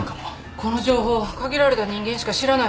この情報限られた人間しか知らないはず。